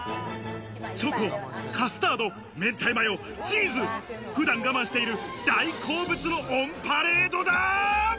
チョコ、カスタード、明太マヨ、チーズ、普段我慢している大好物をオンパレードだ。